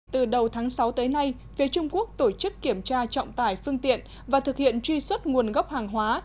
từ đầu tháng sáu tới nay phía trung quốc tổ chức kiểm tra trọng tải phương tiện và thực hiện truy xuất nguồn gốc hàng hóa